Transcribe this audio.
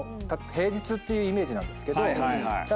平日っていうイメージなんですけど。